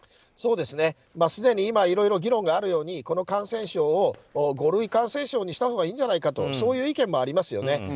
すでに今、議論があるようにこの感染症を五類感染症にしたほうがいいんじゃないかという意見もありますよね。